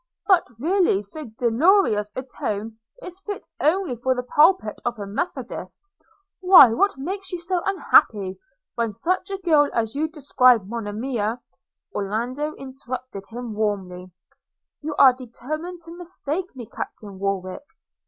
But really so dolorous a tone is fit only for the pulpit of a methodist. – Why what makes you unhappy, when such a girl as you describe Monimia –' Orlando interrupted him warmly – 'You are determined to mistake me, Captain Warwick!